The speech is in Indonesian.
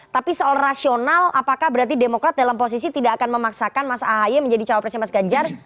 tapi soal rasional apakah berarti demokrat dalam posisi tidak akan memaksakan mas ahaye menjadi cawapresnya mas ganjar